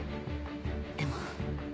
でも。